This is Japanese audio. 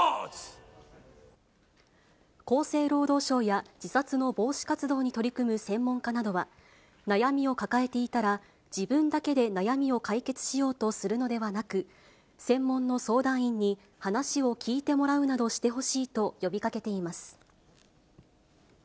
厚生労働省や自殺の防止活動に取り組む専門家などは、悩みを抱えていたら、自分だけで悩みを解決しようとするのではなく、専門の相談員に話を聞いてもらうなどしてほしいと呼びかけています。